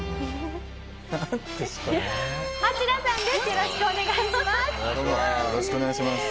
よろしくお願いします。